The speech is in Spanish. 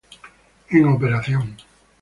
En operación